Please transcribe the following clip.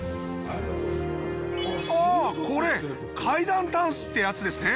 あっこれ階段箪笥ってやつですね。